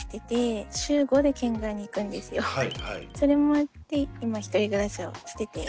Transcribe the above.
それもあって今１人暮らしをしてて。